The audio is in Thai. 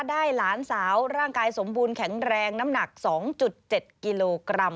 หลานสาวร่างกายสมบูรณแข็งแรงน้ำหนัก๒๗กิโลกรัม